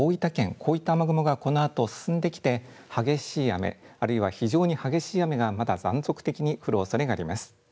こういった雨雲がこのあと進んできて激しい雨あるいは非常に激しい雨がまた断続的に降るおそれがあります。